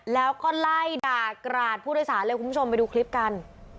แล้วก็ไล่ด่ากราดผู้โดยสารเลยคุณผู้ชมไปดูคลิปกัน